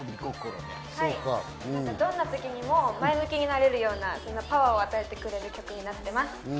どんな時にも前向きになれるような、そんなパワーを与えてくれる曲になっています。